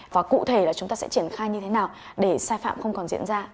và cụ thể là chúng ta sẽ triển khai như thế nào để sai phạm không còn diễn ra